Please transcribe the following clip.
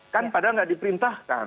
kan padahal tidak diperintahkan